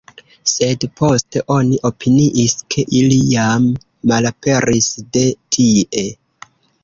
Sed poste oni opiniis ke ili jam malaperis de tie.